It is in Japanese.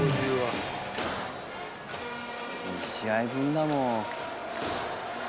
２試合分だもん。